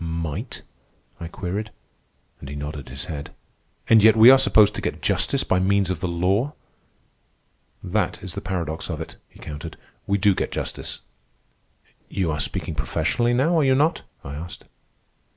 "Might?" I queried; and he nodded his head. "And yet we are supposed to get justice by means of the law?" "That is the paradox of it," he countered. "We do get justice." "You are speaking professionally now, are you not?" I asked.